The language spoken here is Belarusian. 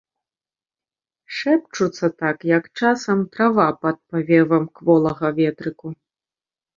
Шэпчуцца так, як часам трава пад павевам кволага ветрыку.